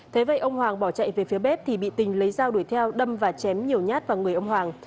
thế vậy ông hoàng bỏ chạy về phía bếp thì bị tình lấy dao đuổi theo đâm và chém nhiều nhát vào người ông hoàng